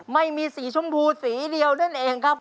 ไม่มีสีชมพูสีเดียวนั่นเองครับ